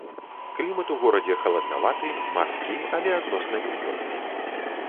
Клімат у горадзе халаднаваты, марскі, але адносна вільготны.